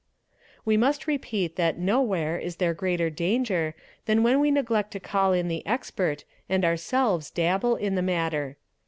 | We must repeat that nowhere is there greater danger than when we | neglect to call in the expert and ourselves dabble in the matter.